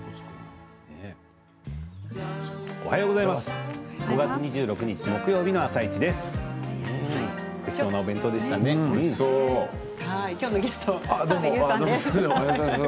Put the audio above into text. おはようございます。